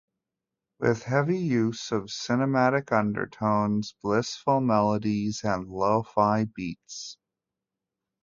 With heavy use of cinematic undertones, blissful melodies and lo-fi beats.